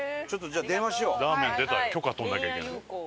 ラーメン許可取んなきゃいけないよ。